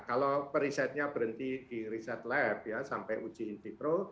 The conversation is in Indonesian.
kalau perisetnya berhenti di riset lab ya sampai uji intipro